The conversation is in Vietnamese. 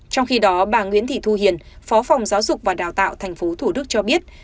trong khi đó bà nguyễn thị thu hiền phó phòng giáo dục và đào tạo tp hcm cho biết